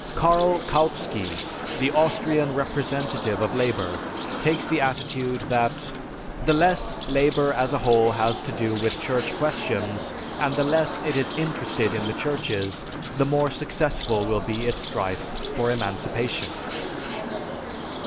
Karl Kautsky, the Austrian representative of labor, takes the attitude that, "The less Labor as a whole has to do with Church questions and the less it is interested in the churches, the more successful will be its strife for emancipation."